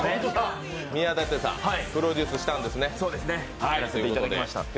宮舘さん、プロデュースしたんですね。